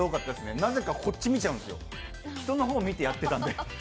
なぜか、こっち見ちゃうんですよ、人の方、見てやってたので。